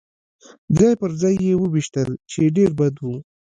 ځای پر ځای يې وویشتل، چې ډېر بد و.